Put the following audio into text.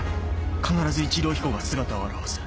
必ず一郎彦が姿を現す